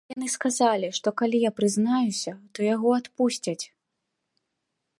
І яны сказалі, што калі я прызнаюся, то яго адпусцяць.